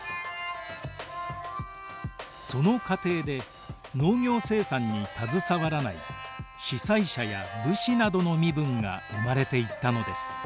その過程で農業生産に携わらない司祭者や武士などの身分が生まれていったのです。